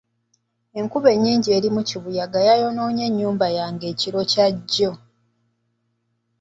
Enkuba ennyingi erimu kibuyaga yayonoonye ennyumba yange ekiro ky'ejjo.